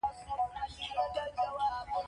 د علي احمد کهزاد د غربت کیسه څوک اورېدای شي.